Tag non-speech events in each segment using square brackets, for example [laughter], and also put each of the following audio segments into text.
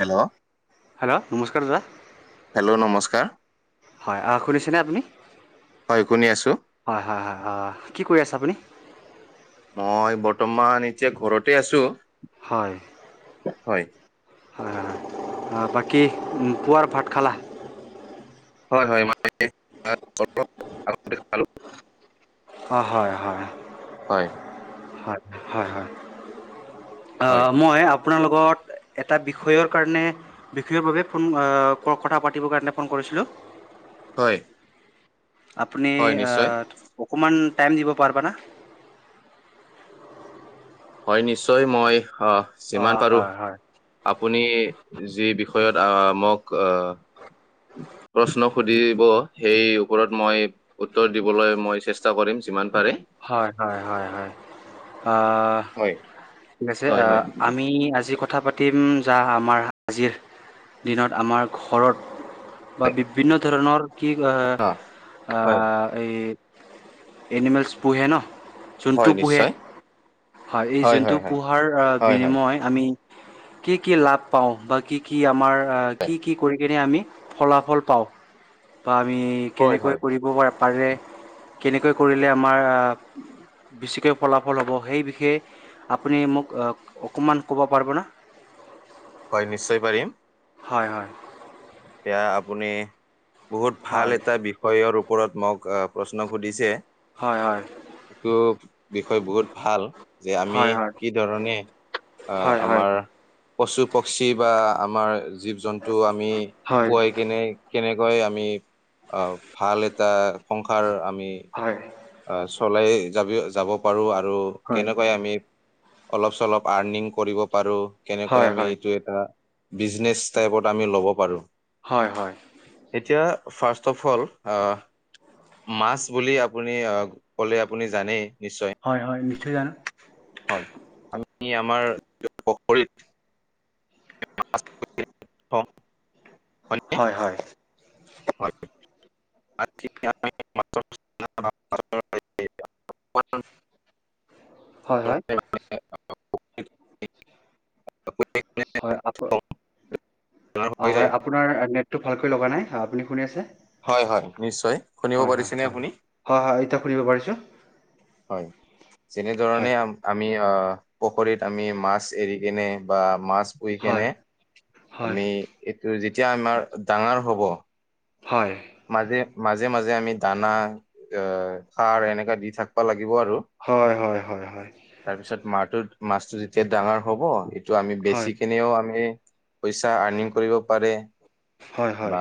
Hello hello নমস্কাৰ দাদা। ক হয়, অ' শুনিছেনে আপুনি হয় শুনি আছো হয়-হয়-হয় অ' কি কৰি আছে। তাপ মই বৰ্তমান এতিয়া ঘৰতে আছো হয়। হয় হয়-হয়-হয় বাকী পুৱাৰ ভাত খালা। হয়-হয় মানে দেখো [unintelligible] হয় হয়-হয়-হয়। হয় মই আপোনালোক লগত এটা বিষয়ৰ কাৰণে বিষয়ৰ বাবে ফোন কথা পাতিবৰ কাৰণে ফোন কৰিছিলোঁ। উ হয় আপুনি হয় নিশ্চয় অকমান দিব পাৰিবানা হয় নিশ্চয় মই যিমান অঁ পাৰো হয় আপুনি যি বিষয়ত আহ মোক প্ৰশ্ন সুধিব সেই ওপৰত মই উত্তৰ দিবলৈ মই চেষ্টা কৰিম যিমান পাৰে হয়-হয়-হয়-হয়। অ' হয় ঠিক আছে হয় হয় আমি আজি ক কথা পাতিম যা আমাৰ আজিৰ দিনত আমাৰ ঘৰত। বা বিভিন্ন ধৰণৰ। কি অ আ হয় এই এনিমেলছ পুহেন। হয় যোনটো পোহে নিশ্চয় হয় এই যোনটো হয় হয় পোহাৰ হয় হয় বিনিময় আমি কি-কি লাভ পাও বা কি কি আমাৰ কি কি কৰি। স কেনে আমি ফলাফল পাওঁ বা আমি হয় কেনেকৈ হয় কৰিব পাৰো। পাৰে কেনেকৈ কৰিলে আমাৰ বেছিকৈ ফলাফল হ'ব সেই বিষয়ে আপুনি মোক অকণমান ক'ব পাৰিবনে। [inaudible] হয়, নিশ্চয় পাৰিম। হয়, হয়। এতিয়া আপুনি বহুত ভাল হয় এটা বিষয়ৰ ওপ ওপৰত মোক প্ৰশ্ন সুধিছে হয় হয় এইটো বিষয় বহুত ভাল যে আমি হয় হয় কি ধৰণে আহ হয় হয় হয় আমাৰ পশু পক্ষী বা আমাৰ জীৱ জন্তু আমি হয় পুৱাই কেনে কেনে কৈ আমি আহ ভাল এটা সংসাৰ আমি হয় আহ চলাই যাবি যাব পাৰো আৰু হয় কেনেকৈ আমি অলপ চলপ আৰ্নিং কৰিব পাৰো কেনেকৈ হয় আমি হয় এইটো এটা বিজনেছ টাইপত আমি ল'ব পাৰোঁ হয় হয় ফাৰ্ষ্ট অফ অহ মাছ বুলি আপুনি ক'লে আপুনি জানেই নিশ্চয় হয় হয় নিশ্চয় জানো হয় আমি আমাৰ নিজৰ পুখুৰীত [unintelligible] হয়নে? হয় হয় হয় [unintelligible] অকণমান [inaudible] হয় হয় ধৰণে [unintelligible] হয় আপ থওঁ, আপোনাৰ অ হৈ যায়। হয় আপোনাৰ নেট তো ভালকৈ লগা নাই আপুনি শুনি আছে হয় হয় নিশ্চয় শুনিব হয় হয় পাৰিছেনে হয় আপুনি? হয় হয় এতিয়া শুনিব পাৰিছো হয় হয় যেনেধৰণে আমি আহ পুখুৰীত আমি মাছ এৰি কেনে বা মাছ পুই হয় কেনে হয় আমি এইটো যেতিয়া আমাৰ ডাঙৰ হব। হয় মাজে মাজে মাজে আমি দানা অ খাৰ এনেকা দি থাকব লাগে দিব আৰু হয় হয় হয় হয় হয় তাৰপিছত মাহটোত মাছতটো যেতিয়া ডাঙৰ হব সটো আমি হয় বেচি কেনেও আমি পইচা আৰ্নিং কৰিব পাৰে হয় হয়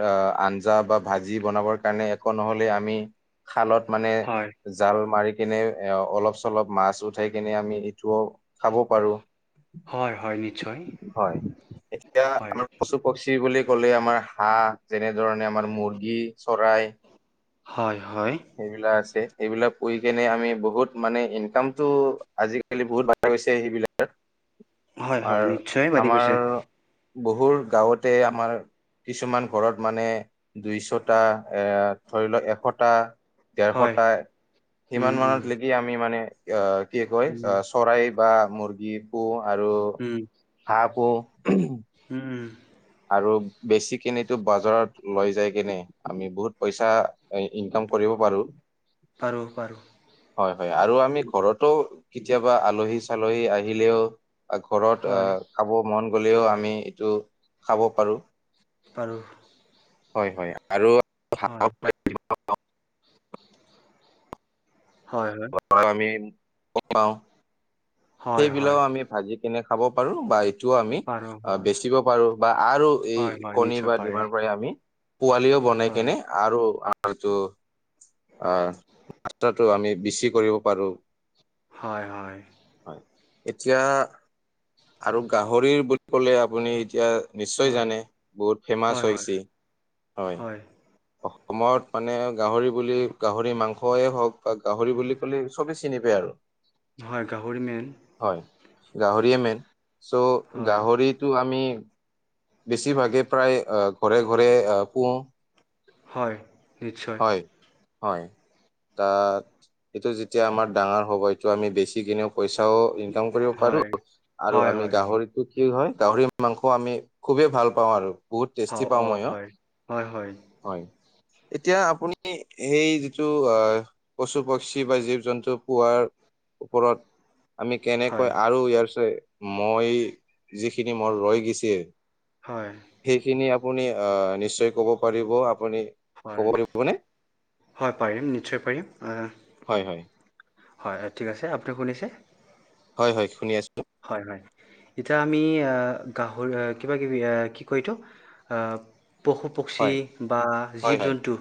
অ আঞ্জা বা ভাজি বনাবৰ কাৰণে একো নহ'লে আমি খালত মানে হয় জাল মাৰি কিনে এ অলপ চলপ মাছ উঠাই কিনে আমি ইটোও খাব পাৰো হয় হয় নিশ্চয় হয় এতিয়া হয় আমাৰ পশু পক্ষি বুলি কলে আমাৰ হাঁহ যেনেধৰণে আমাৰ মুৰ্গী চৰাই হয় হয় সেইবিলাক আছে এইবিলাক কৰি কেনে আমি বহুত মানে ইনকামতটো আজিকালি বহুত বাঢ়া গৈছে সেইবিলাকত হয় হয় আৰু নিশ্চয় বাঢ়ি গৈছে আমাৰ বহু গাঁৱতে আমাৰ কিছুমান ঘৰত মানে দুইশটা এ ধৰি লওক এশটা হয় দেৰশটাই উম সিমান উম। মানত লকি আমি মানে অ কি কয় উম চৰাই বা মুৰ্গী পোহ আৰু উম সাপ অ উম! আৰু বেছি কিনিতো বজাৰত লৈ যাই কেনে আমি বহুত পইচা ইনকাম কৰিব পাৰো পাৰো পাৰো হয় হয়, আৰু আমি ঘৰতো কেতিয়াবা আলহী-চালহী আহিলেও ঘৰত হয় অহ, খাব মন গলেও আমি এইটো খাব পাৰো। বাৰু। হয়, হয়, আৰু হয় হয় আমি, হয় হয়। সেইবিলাকও আমি ভাজি কেনে খাব পাৰো বা? টোও আমি আৰু আ হয়, বেচিব পাৰো, বা আৰু এই হয়, হয়, কণী নিশ্চয় বা পাৰে, ডিমাৰ পৰাই আমি পোৱালিও বনাই হয়, কেনে, আৰু আমাৰ যো অহ, মাত্ৰাটো আমি বেছি কৰিব পাৰো। হয়, হয়। হয় এতিয়া, আৰু গাহৰিৰ বুলি ক'লে আপুনি এতিয়া নিশ্চয় হয়। জানে, বহুত ফেমাচ হয়, হয়, হৈছি। হয়, অসম সময়ত মানে, গাহৰি বুলি গাহৰি মাংসয়েই হওক, বা গাহৰি বুলি ক'লেই চবেই চিনি পায় আৰু। হয়, গাহৰি মেইন। হয় গাহৰিয়ে মেইন, চ' হয়, গাহৰিটো আমি বেছিভাগে প্ৰায়েই অহ, ঘৰে ঘৰে অহ-পোহ। হয়, নিশ্চয়। হয়, তাত এইটো যেতিয়া আমাৰ ডাঙাৰ হ'ব এইটো আমি বেচি কিনেও পইচাও ইনকাম কৰিব পাৰো, হয়। আৰু হয়, আমি হয়, হয়, গাহৰিটো কি হয়? গাহৰি মাংস আমি খুবেই ভাল পাওঁ আৰু বহুত অ', টেষ্টি পাওঁ মই অ' হয়, হয়, হয়, হয়। এতিয়া আপুনি সেই যিটো আহ-পশু, পক্ষী বা জীৱ-জন্তু পোৱাৰ ওপৰত। আমি কেনেকৈ, হয়, আৰু ইয়াৰ পিছত মই যিখিনি মোৰ ৰৈ গৈছি হয়। সেইখিনি, আপুনি আহ নিশ্চয় কব পাৰিব। আপুনি ক'ব হয়, পাৰিবনে হয় পাৰিম, নিশ্চয় পাৰিম। হয় হয় আহ। হয়, ঠিক আছে আপুনি শুনিছে? হয়, হয়, শুনি আছো। হয়, হয়। এতিয়া আমি আহ, গাহৰি আহ, কিবা কিবি আহ, কি কওঁ এইতো? পশু-পক্ষী হয় বা হয় হয় জীৱ-জন্তু।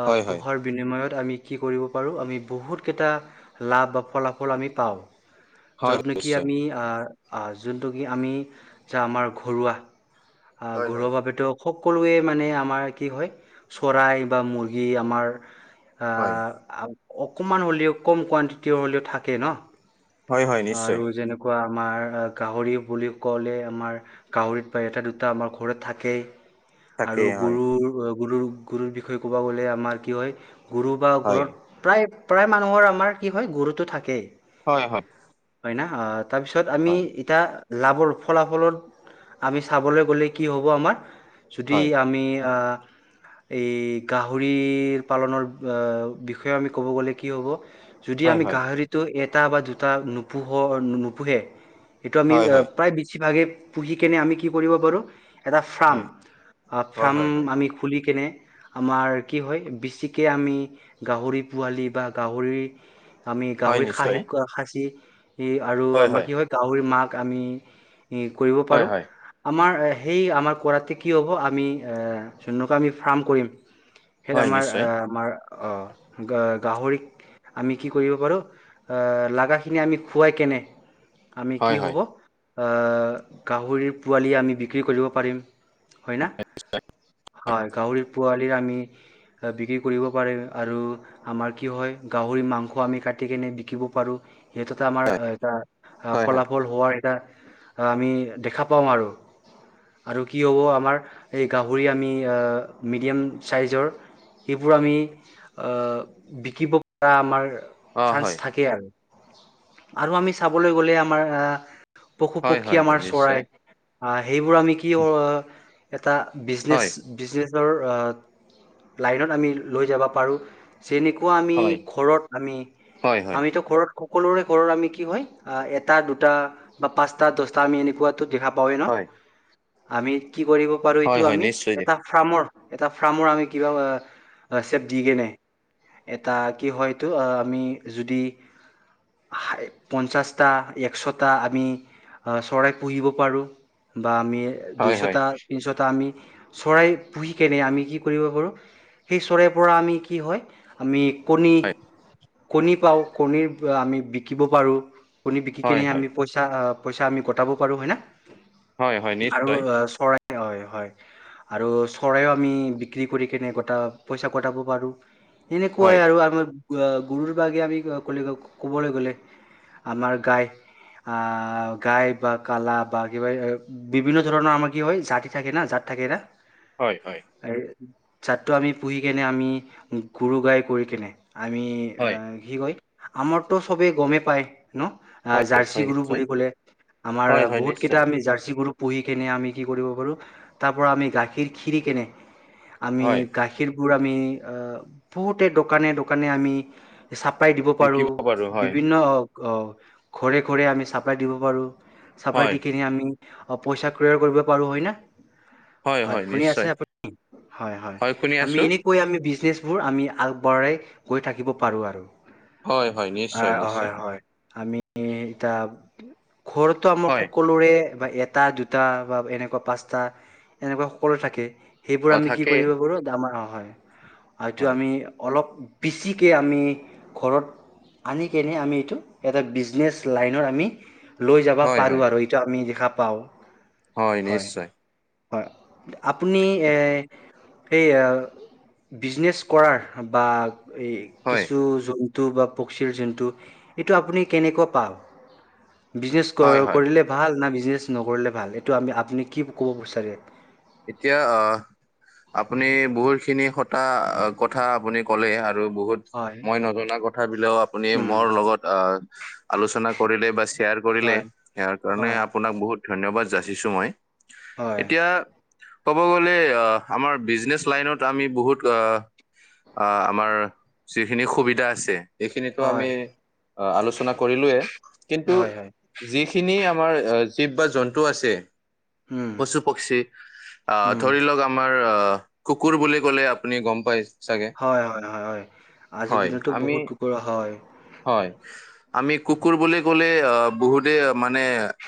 আহ, হয় হয় পোহাৰ বিনিময়ত আমি বিক্ৰী কৰিব পাৰোঁ, আমি বহুতকেইটা লাভ বা ফলাফল আমি পাওঁ। হয়। কি নিশ্চয় আমি আ-আ যোনটো কি, আমি যা আমাৰ ঘৰুৱা অ', হয় ঘৰুৱা হয় বাবেইতো সকলোৱে মানে আমাৰ কি হয়, চৰাই বা মুৰ্গী আমাৰ হয় আ-আ অকণমান হ'লেও, কম কোৱানটিটি হ'লেও থাকেই নহ? হয় হয় নিশ্চয় আৰু যেনেকুৱা আমাৰ গাহৰি বুলি ক'লে আমাৰ গাহৰিত বা এটা দুটা আমাৰ ঘৰত থাকেই আৰু তাকেই হয় গৰুৰ গৰুৰ গৰুৰ বিষয়ে ক'ব গ'লে আমাৰ কি হয় গৰু বা হয় ঘৰত প্ৰায় প্ৰায় মানুহৰ আমাৰ কি হয় গৰুটো থাকেই হয় হয় হয় না তাৰপিছত আমি হয় ইতা লাভৰ ফলাফলত আমি চাবলৈ গ'লে কি হ'ব আমাৰ যদি হয় আমি আহ এই গাহৰি পালনৰ বিষয়ে আমি ক'ব গ'লে কি হ'ব যদি হয় আমি হয় গাহৰিটো এটা বা দুটা নোপোহ নোপোহে সেইটো আমি হয় হয় হয় প্ৰায় বেছিভাগে পুহি কেনে আমি কি কৰিব পাৰোঁ এটা ফ্ৰম হয় ফ্ৰম হয় হয় আমি খুলি কেনে আমাৰ কি হয় বেছিকে আমি গাহৰি পোৱালি বা গাহৰি আমি হয় গাহৰি খাঁহি নিশ্চয় সাঁচি আৰু আমাৰ কি হয় গাহৰিৰ মাক আমি কৰিব হয় পাৰোঁ, হয় আমাৰ সেই আমাৰ কৰাতে কি হ'ব আমি যোননকৈ আমি ফাৰ্ম কৰিম সেইটো হয় আমাৰ, এ, নিশ্চয় আমাৰ অঁ, গ -গাহৰিক আমি কি কৰিব পাৰোঁ লাগাখিনি আমি খোৱাই কেনে, আমি কি হয় হয় হ'ব গাহৰিৰ পোৱালি আমি বিক্ৰী কৰিব পাৰিম, হয় না? হয় গাহৰিৰ পোৱালি আমি বিক্ৰী কৰিব পাৰিম আৰু আমাৰ কি হয় গাহৰি ভৰি মাংস আমি কাটি কেনে বিকিব পাৰোঁ, সিহঁতৰ এটা আমাৰ হয় এটা হয় হয় ফলাফল হোৱাৰ এটা আমি দেখা পাওঁ আৰু। আৰু কি হ'ব আমাৰ এই গাহৰি আমি মিডিয়াম চাইজৰ সেইবোৰ আমি বিকিব পৰা আমাৰ অ চান্স হয় থাকে আৰু, আৰু আমি চাবলৈ গ'লে আমাৰ আ পশু- হয় পক্ষী হয় হয় আমাৰ নিশ্চয় চৰাই। অ', সেইবোৰ আমি কি এটা বিজনেচ হয় বিজনে ৰ, অ', লাইনত আমি লৈ যাব পাৰোঁ যেনেকুৱা আমি হয় ঘৰত আমি, হয় হয় আমিতো ঘৰত সকলোৰে ঘৰত আমি কি হয় এটা, দুটা বা পাঁচটা, দহটা আমি এনেকুৱা দেখা পাওেই ন, হয় আমি কি কৰিব পাৰোঁ, এইটো হয় হয় আমি নিশ্চয় দে এটা ফাৰ্মৰ এটা ফাৰ্মৰ, আমি কিবা চেপ দি‌ কেনে এটা কি হয়তো, আমি যদি পঞ্চাশটা, একশটা আমি চৰাই পুহিব পাৰোঁ। বা আমি হয় হয় দুইশটা তিনিশটা আমি চৰাই পুহি কেনে আমি কি কৰিব পাৰোঁ, সেই চৰাইৰ পৰা আমি কি হয়, আমি কণী, হয় কণী পাওঁ, কণীৰ আমি বিকিব পাৰোঁ। কণী বিকি কেনে হয় হয় আমি, পইচা- পইচা‌ আমি ঘটাব পাৰোঁ, হয় না? হয় হয় নিশ্চয় হয়, হয়। আৰু চৰাইও আমি বিক্ৰী কৰি কেনে গটা পইচা কটাব পাৰোঁ। এনেকুৱাই হয় আৰু আমাৰ গুৰুৰ বাগে আমি কলে কবলৈ গ'লে আমাৰ গাই। আ গাই বা কালা বা কিবা বিভিন্ন ধৰণৰ আমাৰ কি হয় জাতি থাকে না জাতি থাকে না হয়, হয়। ছাতটো আমি পুহি কেনে আমি গুৰু গাই কৰি কেনে আমি, হয় কি কয়, আমাৰটো চবেই গমেই পায়। ন, হয় জাৰ্চি হয় গুৰু নিশ্চয় বুলি ক'লে আমাৰ হয় হয় বহুত কেইটা নিশ্চয় আমি জাৰ্চি গুৰু পুহি কেনে আমি কি কৰিব পাৰোঁ তাৰ পৰা আমি গাখীৰ খিৰি কেনে আমি, হয় গাখীৰবোৰ আমি, বহুতে দোকানে দোকানে, আমি ছাপ্লাই দিব বিকিব পাৰোঁ, পাৰো হয় বিভিন্ন ঘৰে ঘৰে আমি ছাপ্লাই দিব পাৰোঁ। চাপ্লাই হয় দি কিনে আমি, পইচা ক্ৰয়াৰ কৰিব পাৰোঁ হয় না? হয় হয় শুনি আছে নিশ্চয় আপুনি, হয় হয় শুনি আমি আছো এনেকৈ আমি বিজনেছ বোৰ আমি আলবঢ়াই গৈ থাকিব পাৰোঁ আৰু। হয় হয় নিশ্চয় আহ নিশ্চয়। হয় হয় আমি এতিয়া ঘৰতো আমাৰ হয় সকলোৰে বা এটা দুটা বা এনেকুৱা পাঁচটা এনেকুৱা সকলো থাকে। সেইবোৰ অ আমি কি থাকেই কৰিব পাৰোঁ, ডামাৰ অহয়, হয়টো হয় আমি অলপ বেছিকৈ আমি ঘৰত আনি কেনে আমি এইটো এটা বিজনেছ লাইনত আমি লৈ যাব হয় হয় পাৰোঁ আৰু এইটো আমি দেখা বাওঁ। হয় নিশ্চয়। হয়, আপুনি এ সেই বিজনেছ কৰাৰ বা এই হয় কিছু জ টো বা পকক্ষিৰ জোনু এইটো আপুনি কেনেকুৱা পাও। বিজনেছ হয় হয় কৰিলে ভাল না বিজনেছ নকৰিলে ভাল এইটো আমি আপুনি কি ক'ব বিচাৰে এতিয়া অ, আপুনি বহুতখিনি সটাা কথা আপুনি ক'লে। আৰু বহুত হয়। মই নজনা কথ বিলাকও আপুনি মোৰ উম লগত আলোচনা কৰিলে বা শ্বেয়াৰ কৰিলে হয় সয়াৰ কাৰণে হয় আপোনাক বহুত ধন্যবাদ যাচিছো মই হয় এতিয়া ক'ব গ'লে আমাৰ বিজনেচ লাইনত আমি বহুত আহ, আমাৰ যিখিনি সুবিধা আছে। এইখিনিতো আমি হয় আলোচনা কৰিলয়ে কিন্তু হয় হয় যিখিনি আমাৰ শিৱ বা জন্তু আছে উম পশু পক্ষী ধ উম লওক আমাৰ অ, কুকুৰ বুলি ক'লে আপুনি গম পাই চাগে হয় - হয় - হয় হয় আজিৰ হয় দিনতো আমি বহুত টুকুৰা হয়। হয় আমি কুকুৰ বুলি ক'লে বহুতে মানে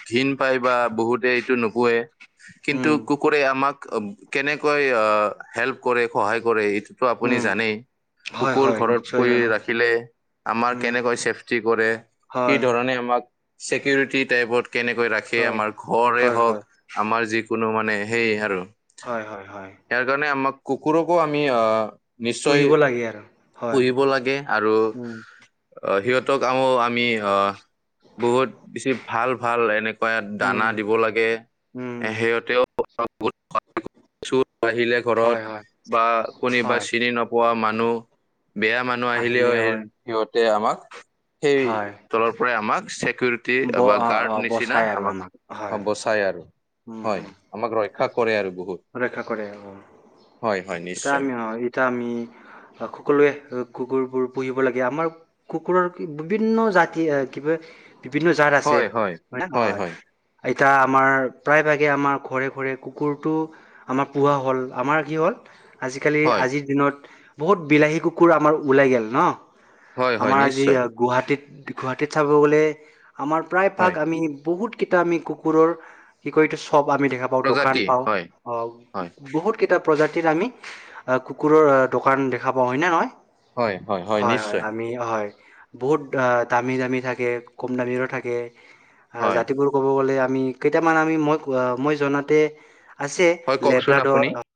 ঘিন পায় বা বহুতে এইটো নোপোৱে কিন্তু উম কুকুৰে আমাক কেনেকৈ হেল্প কৰে সহায় কৰে। টো আপুনি উম জানেই হয় কুকুৰ হয় ঘৰত নিশ্চয় কৰি জানো ৰাখিলে। আ উম কেনেৈ চফি কৰে কি হয় ধৰণে আমাক চিকিৰটি টাইপত কেনেকৈ ৰাখে হয় আমাৰ ঘৰে হয় হয় হওক আমাৰ যিকোনো মানে সেই আৰু হয় - হয় - হয়। ইয়াৰ কাৰণে আমাক কুকুৰকো আমি আহ নিশ্চয় পুহিব লাগে আৰু হয়। পুহিব লাগে আৰু উম, আহ সিহতক আ আমি আহ বহুত বেছি ভাল - ভাল এনেকুৱায়াত দানা দিব লাগে। উম, সিহতেও চুৰ আহিলে ঘৰত হয়, হয়, বা কোনোবা হয় চিনি ন পোৱা মানুহ বেয়া মানুহ আহিলেও আহিলে সেই হয়, সিহতে আমাক সেই হয়। তলৰ পৰাই আমাক চকিউৰি ব বা গাৰ্ড নিচিনা বচাই আৰু আমাক হয়, বচাই আৰু হয় আমাক ৰক্ষা কৰে আৰু বহুত ৰৰেখা কৰে অ, হয় হয় এয়া নিশ্চয় আমি নহয় এতিয়া আমি সকলোৱে কুকুৰবোৰ। পুহিব লাগে আমাৰ কুকুৰৰ বিভিন্ন জাতি কিবা বিভিন্ন জাত আছে হয় - হয়। এতিয়া আমাৰ প্ৰায়ভাগে আমাৰ ঘৰে - ঘৰে কুকুৰটো আমাৰ পুহা হ'ল আমাৰ কি হ'ল আজিকালি হয় আজিৰ দিনত বহুত বিলাহী কুকুৰ আমাৰ ওলাই গ'ল ন হয় হয় আমাৰ আজি নিশ্চয় গুৱাহাটীত। গুৱাহাটীত চাব গ'লে আমাৰ প্ৰায়ভাগ হয় আমি বহুত কেইটা আমি কুকুৰৰ কি ক এইো চব আমি দেখা পাও দোকান প্ৰজাতি পাও হয় অ, হয় বহুত কেইটা প্ৰজাতিৰ আমি কুকুৰৰ দোকান দেখা পাও হয় ন নহয়। হয় - হয় আমি হয়। বহুত দামী- দামী থাকে কম দামী থাকে আহ, হয় জাতিবোৰ ক'ব গ'লে আম আমি কেইটামান আমি মই মই জনাতে আছে হয় কওকচোন আপুনি লেব্ৰড